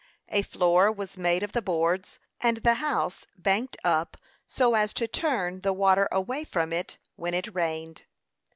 A floor was made of the boards, and the house banked up so as to turn the water away from it when it rained.